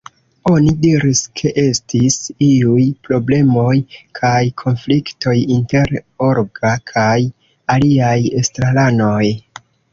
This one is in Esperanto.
Oni diris ke estis iuj problemoj kaj konfliktoj inter Olga kaj aliaj estraranoj.